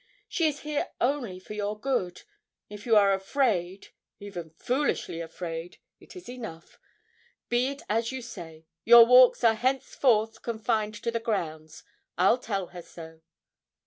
She is here only for your good. If you are afraid even foolishly afraid it is enough. Be it as you say; your walks are henceforward confined to the grounds; I'll tell her so.'